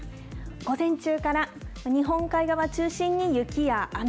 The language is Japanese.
午前中から日本海側中心に雪や雨。